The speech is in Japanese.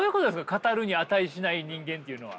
語るに値しない人間っていうのは。